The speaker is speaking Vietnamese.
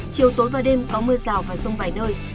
chiều tối và đêm có mưa rào và rông vài nơi